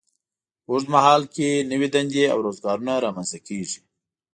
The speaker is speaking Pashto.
په اوږد مهال کې نوې دندې او روزګارونه رامینځته کیږي.